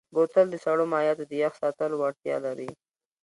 بوتل د سړو مایعاتو د یخ ساتلو وړتیا لري.